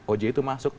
oj itu masuk